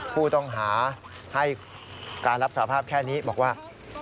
ผู้ต้องหาให้การรับสาภาพแค่นี้บอกว่า